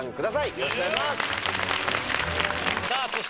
よろしくお願いします。